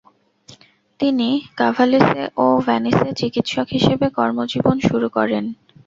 তিনি কাভালেসে ও ভেনিসে চিকিৎসক হিসেবে কর্মজীবন শুরু করেন।